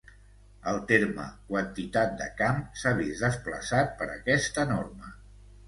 El terme "quantitat de camp" s'ha vist desplaçat per aquesta norma.